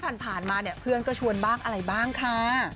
ผ่านมาเนี่ยเพื่อนก็ชวนบ้างอะไรบ้างค่ะ